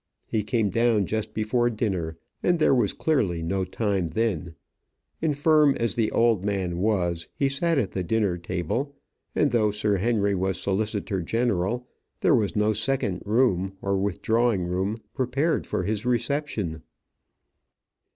He came down just before dinner, and there was clearly no time then: infirm as the old man was, he sat at the dinner table; and though Sir Henry was solicitor general, there was no second room, no withdrawing room prepared for his reception.